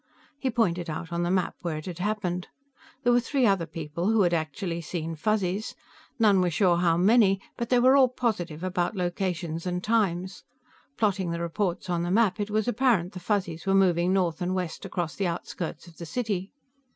He pointed out on the map where it had happened. There were three other people who had actually seen Fuzzies; none were sure how many, but they were all positive about locations and times. Plotting the reports on the map, it was apparent that the Fuzzies were moving north and west across the outskirts of the city.